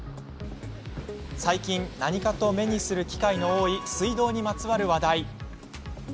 最近、何かと目にする機会の多い水道にまつわる話題。